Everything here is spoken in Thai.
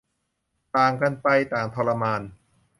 ต่างกันไป ต่างทรมาน